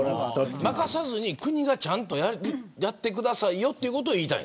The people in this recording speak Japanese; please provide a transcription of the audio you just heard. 任さずに国がちゃんとやってくださいということを言いたい。